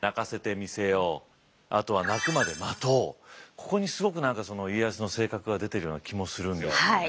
ここにすごく何か家康の性格が出ているような気もするんですよね。